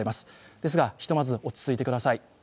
ですが、ひとまず落ち着いてください。